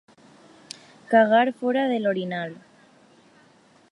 Cagar fora de l'orinal.